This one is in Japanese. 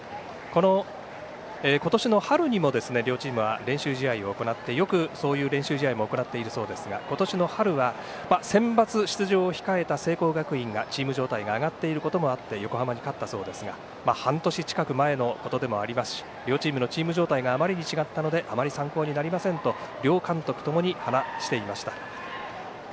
今年の春にも両チームは練習試合を行ってよく練習試合も行っているようですが今年の春はセンバツ出場を控えた聖光学院がチーム状態が上がっていることもあって横浜に勝ったそうですが半年近く前のことでもありますし両チームのチーム状態があまりに違ったのであまり参考になりませんと両監督ともに話していました。